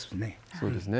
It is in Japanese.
そうですね。